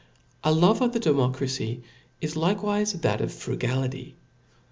A love of the democracy is likewife that of fru gality.